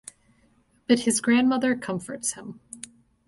But his grandmother comforts him.